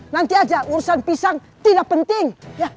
nanti aja urusan pisang tidak penting